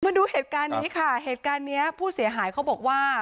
มาดูเหตุการณ์นี้ค่ะเหตุการณ์เนี้ยผู้เสียหายเขาบอกว่า